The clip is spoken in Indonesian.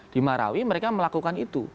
di marawi mereka melakukan itu